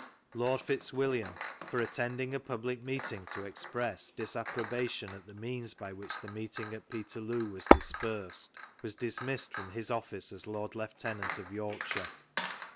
Lord Fitzwilliam, for attending a public meeting to express disapprobation at the means by which the meeting at Peterloo was dispersed, was dis missed from his office as Lord Lieutenant of York shire.